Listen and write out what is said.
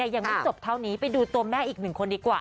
ยังไม่จบเท่านี้ไปดูตัวแม่อีกหนึ่งคนดีกว่า